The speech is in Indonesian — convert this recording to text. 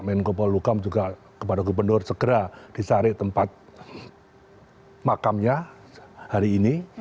dan kepala bnpb juga kepada gubernur segera disarik tempat makamnya hari ini